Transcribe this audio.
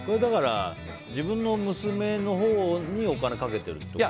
自分の娘のほうにお金かけてるってこと？